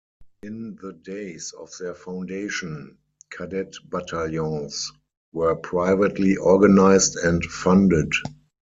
In the days of their foundation, Cadet battalions were privately organized and funded.